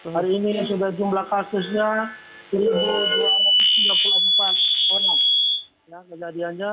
hari ini sudah jumlah kasusnya satu dua ratus tiga puluh empat orang kejadiannya